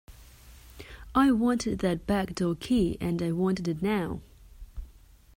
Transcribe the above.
I wanted that back-door key, and I wanted it now.